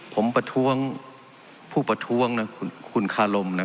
ผมประท้วงผู้ประท้วงนะคุณคารมนะ